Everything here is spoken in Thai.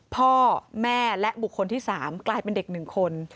พ่อแม่และบุคคลที่๓กลายเป็นเด็ก๑คน